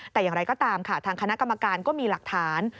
แต่อย่างไรก็ตามค่ะทางคณะกรรมการก็มีหลักฐาน